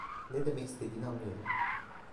Ne demek istediğini anlıyorum.